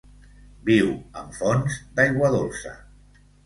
Viu en fonts d'aigua dolça.